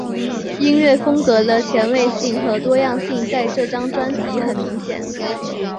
音乐风格的前卫性和多样性在这张专辑很明显。